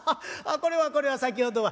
これはこれは先ほどは。